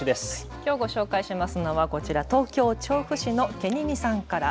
きょうご紹介するのは東京調布市のケニミさんから。